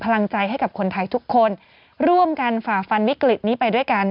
กำลังใจให้กับคนไทยทุกคนร่วมกันฝ่าฟันวิกฤตนี้ไปด้วยกัน